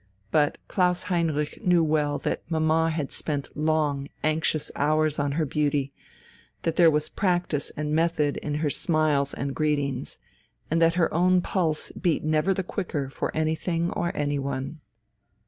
But Klaus Heinrich knew well that mamma had spent long, anxious hours on her beauty, that there was practice and method in her smiles and greetings, and that her own pulse beat never the quicker for anything or anyone.